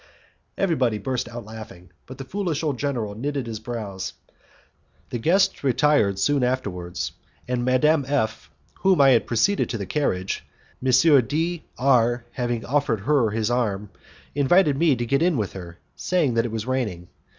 Everybody burst out laughing, but the foolish old general knitted his brows. The guests retired soon afterwards, and Madame F , whom I had preceded to the carriage, M. D R having offered her his arm, invited me to get in with her, saying that it was raining.